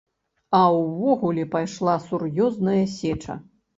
А ўвогуле пайшла сур'ёзная сеча.